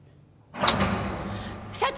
社長！